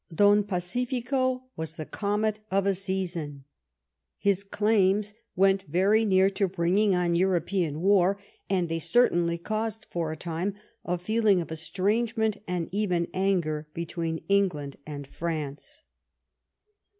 Don Pacifico was the comet of a season. His claims went very near to bringing on European war, and they certainly caused for a time a feeling of estrangement and even anger between England and France.